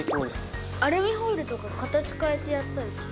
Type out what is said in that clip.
アルミホイルとか形変えてやったり。